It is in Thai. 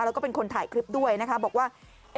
แล้วก็เป็นคนถ่ายคลิปด้วยนะคะบอกว่า